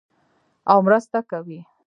او مرسته کوي.